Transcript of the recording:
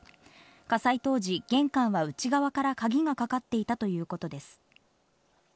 火災当時、玄関は内側から鍵がかかっていたということです。